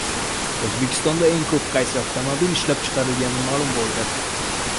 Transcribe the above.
O‘zbekistonda eng ko‘p qaysi avtomobil ishlab chiqarilgani ma’lum bo‘ldi